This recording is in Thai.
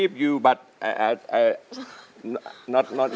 เพื่อนรักไดเกิร์ต